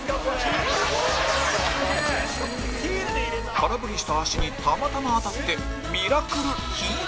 空振りした足にたまたま当たってミラクルヒール